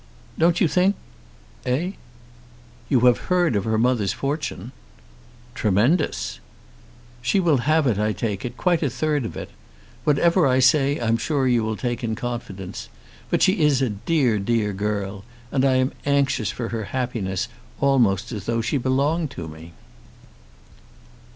"Don't you think ?" "Eh!" "You have heard of her mother's fortune?" "Tremendous!" "She will have, I take it, quite a third of it. Whatever I say I'm sure you will take in confidence; but she is a dear dear girl; and I am anxious for her happiness almost as though she belonged to me."